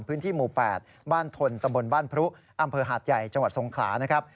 พื้นที่หมู่๘บ้านทนตำบลบ้านพรุอำเภอหาดใหญ่จังหวัดทรงขลานะครับ